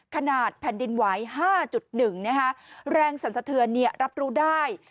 ขนาดแผ่นดินไหว๕๑เนี่ยฮะแรงสรรสเทือนเนี่ยรับรู้ได้